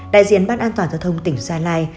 đại diện ban an toàn giao thông tỉnh gia lai